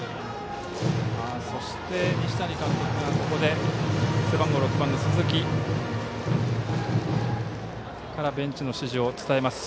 そして、西谷監督がここで背番号６番の鈴木からベンチの指示を伝えます。